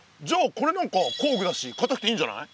これなんか工具だし硬くていいんじゃない？